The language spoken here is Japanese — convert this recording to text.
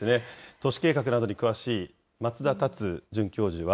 都市計画などに詳しい松田達准教授は、